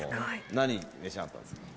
何召し上がったんですか？